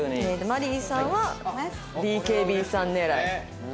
マリーさんはＢＫＢさん狙い。